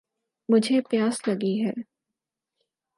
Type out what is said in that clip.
مجھے پیاس لگی ہے